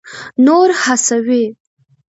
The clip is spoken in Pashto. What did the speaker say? نور هڅوي.